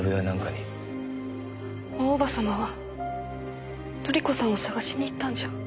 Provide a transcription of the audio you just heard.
大叔母様は瑠璃子さんを探しに行ったんじゃ。